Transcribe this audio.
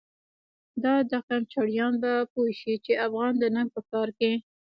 دادقم چړیان به پوه شی، چی افغان د ننګ په کار کی